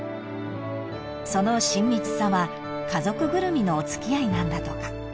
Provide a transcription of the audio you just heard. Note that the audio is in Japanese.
［その親密さは家族ぐるみのお付き合いなんだとか］